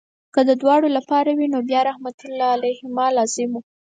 که د دواړو لپاره وي نو بیا رحمت الله علیهما لازم وو.